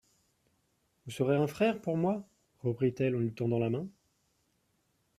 Vous serez un frère pour moi ? reprit-elle en lui tendant la main.